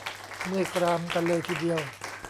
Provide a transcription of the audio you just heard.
เมื่อยกรามกันเลยทีเดียว !